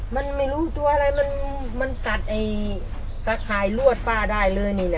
มันไม่รู้ตัวอะไรมันกัดไอ้กระคายรวดป้าได้